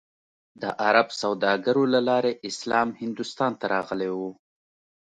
د عرب سوداګرو له لارې اسلام هندوستان ته راغلی و.